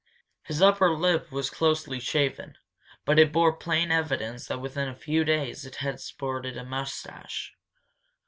His upper lip was closely shaven, but it bore plain evidence that within a few days it had sported a moustache.